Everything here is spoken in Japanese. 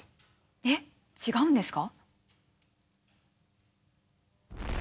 えっ違うんですか？